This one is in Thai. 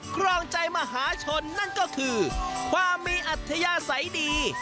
ครองใจมหาชนนั่นก็คือความมีอัธยาศัยดี